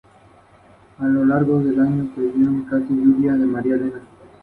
Se las encuentra en los trópicos de África, Australia y el nuevo mundo.